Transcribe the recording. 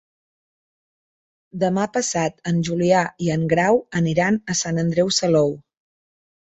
Demà passat en Julià i en Grau aniran a Sant Andreu Salou.